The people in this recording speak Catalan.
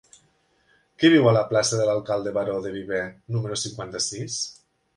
Qui viu a la plaça de l'Alcalde Baró de Viver número cinquanta-sis?